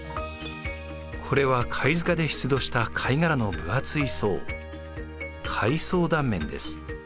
これは貝塚で出土した貝殻の分厚い層貝層断面です。